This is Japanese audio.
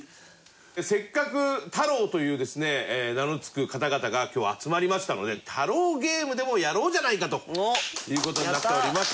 せっかく「太郎」というですね名の付く方々が今日集まりましたので太郎ゲームでもやろうじゃないかという事になっております。